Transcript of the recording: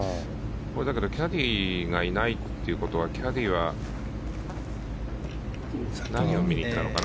キャディーがいないということはキャディーは何を見に行ったのかな。